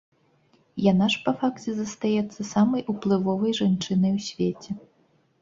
Яна ж, па факце, застаецца самай уплывовай жанчынай у свеце.